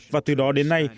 và từ đó đến nay